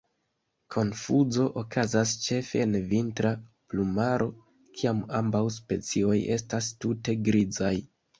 Konfuzo okazas ĉefe en vintra plumaro, kiam ambaŭ specioj estas tute grizaj.